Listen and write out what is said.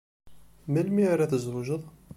Melmi ara tzewǧeḍ?